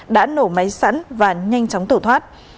đã nổ máy sẵn và nhanh chóng tổ thoát